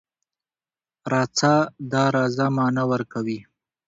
رڅه .د راځه معنی ورکوی